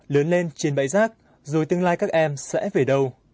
lớn lên trên bãi rác rồi tương lai các em sẽ về đâu